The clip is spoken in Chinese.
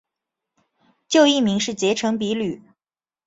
旧艺名是结城比吕。